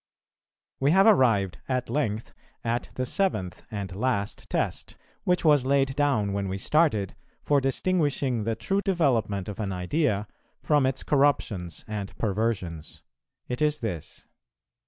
We have arrived at length at the seventh and last test, which was laid down when we started, for distinguishing the true development of an idea from its corruptions and perversions: it is this.